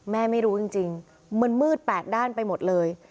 ไม่รู้จริงมันมืดแปดด้านไปหมดเลย